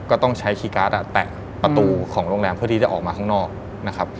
ก็ต้องใช้คีย์การ์ดแตะประตูของโรงแรมเพื่อที่จะออกมาข้างนอกนะครับ